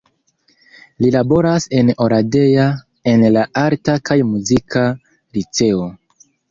Li laboras en Oradea en la Arta kaj Muzika Liceo.